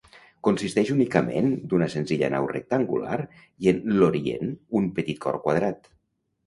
Consisteix únicament d'una senzilla nau rectangular i en l'orient un petit cor quadrat.